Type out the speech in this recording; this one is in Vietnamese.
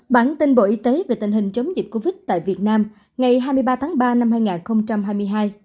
bản tin bộ y tế về tình hình chống dịch covid một mươi chín tại việt nam ngày hai mươi ba tháng ba năm hai nghìn hai mươi hai